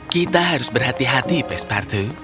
kita harus berhati hati pespartu